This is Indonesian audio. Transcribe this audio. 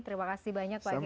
terima kasih banyak pak edi